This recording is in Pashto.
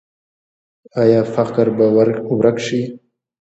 آیا فقر به ورک شي؟